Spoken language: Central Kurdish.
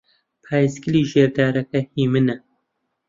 پایسکلی ژێر دارەکە هیی منە.